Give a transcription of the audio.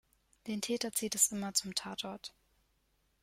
Den Täter zieht es immer zum Tatort.